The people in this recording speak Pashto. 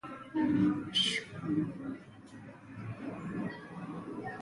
ازادي راډیو د د ماشومانو حقونه د مثبتو اړخونو یادونه کړې.